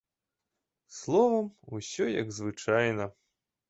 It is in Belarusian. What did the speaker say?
Словам, усё як звычайна.